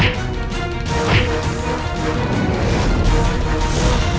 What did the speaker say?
dan menangkap kake guru